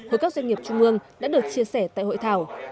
với các doanh nghiệp trung ương đã được chia sẻ tại hội thảo